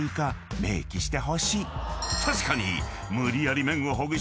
［確かに］